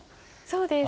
そう。